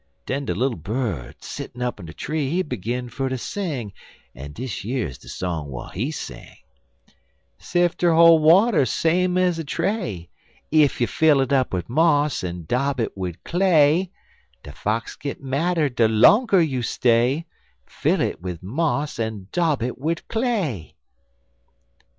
Den de little bird settin' up in de tree he begin fer ter sing, en dish yer's de song w'at he sing: "'Sifter hol' water same ez a tray, Ef you fill it wid moss en dob it wid clay; De Fox git madder de longer you stay Fill it wid moss en dob it wid clay.'